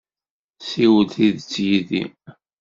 Ssiwel tidet yid-i!